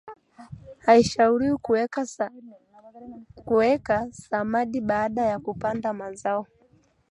Haishauriwi kuweka samadi baada ya kupanda mazao